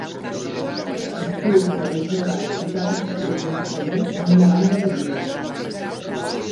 Es diu que de jove tocava aquest últim instrument en una banda de blues.